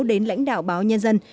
đến lãnh đạo báo nhân dân